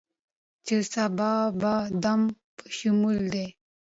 چې سبا به دما په شمول دې